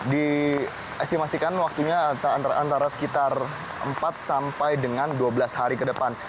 diestimasikan waktunya antara sekitar empat sampai dengan dua belas hari ke depan